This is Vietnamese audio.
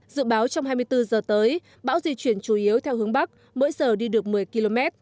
dự báo trong hai mươi bốn giờ tới bão di chuyển chủ yếu theo hướng bắc mỗi giờ đi được một mươi km